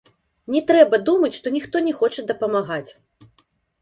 Не трэба думаць, што ніхто не хоча дапамагаць.